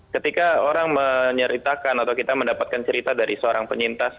ketika orang menyeritakan atau kita mendapatkan cerita dari seorang penyintas